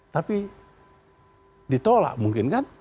tapi ditolak mungkin kan